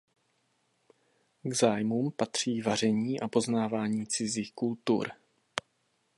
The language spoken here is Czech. K zájmům patří vaření a poznávání cizích kultur.